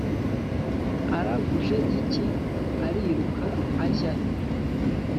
uraguje iki ariruka ajyahe?"